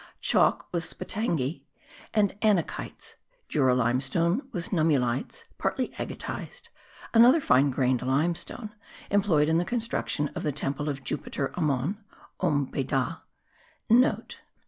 chalk with spatangi and anachytes, Jura limestone with nummulites partly agatized; another fine grained limestone* employed in the construction of the temple of Jupiter Ammon (Omm Beydah) (* M.